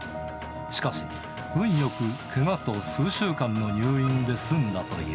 しかし、運よくけがと数週間の入院で済んだという。